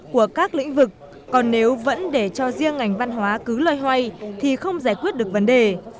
của các lĩnh vực còn nếu vẫn để cho riêng ngành văn hóa cứ loay hoay thì không giải quyết được vấn đề